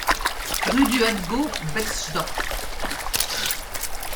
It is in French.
Rue du Hattgau, Betschdorf